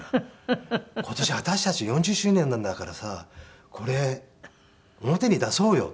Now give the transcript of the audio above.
「今年私たち４０周年なんだからさこれ表に出そうよ」